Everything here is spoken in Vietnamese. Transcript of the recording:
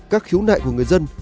các khiếu nại của người dân